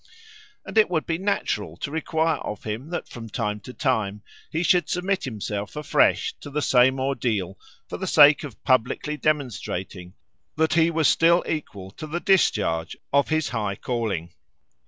And it would be natural to require of him that from time to time he should submit himself afresh to the same ordeal for the sake of publicly demonstrating that he was still equal to the discharge of his high calling.